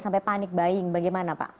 sampai panik buying bagaimana pak